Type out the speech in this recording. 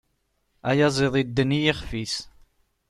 Ayaziḍ idden i yixf-is.